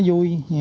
rất là vui